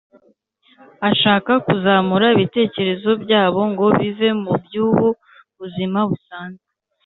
, ashaka kuzamura ibitekerezo byabo ngo bive mu by’ubu buzima busanzwe,